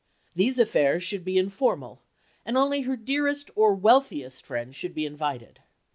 These affairs should be informal and only her dearest or wealthiest friends should be invited.